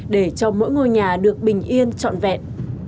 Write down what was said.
để cho mỗi ngôi nhà được bình yên trọn vẹn